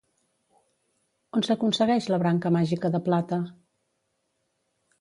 On s'aconsegueix la branca màgica de plata?